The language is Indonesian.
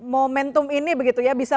momentum ini begitu ya bisa